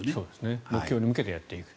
目標に向けてやっていく。